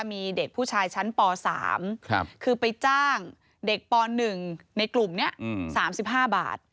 มีเด็กผู้ชายชั้นป๓คือไปจ้างเด็กป๑ในกลุ่มนี้๓๕บาท